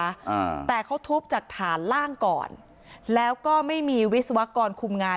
อ่าแต่เขาทุบจากฐานล่างก่อนแล้วก็ไม่มีวิศวกรคุมงาน